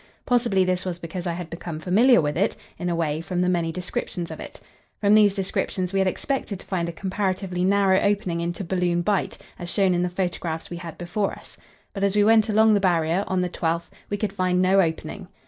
Possibly this was because I had become familiar with it, in a way, from the many descriptions of it. From these descriptions we had expected to find a comparatively narrow opening into Balloon Bight, as shown in the photographs we had before us; but as we went along the Barrier, on the 12th, we could find no opening.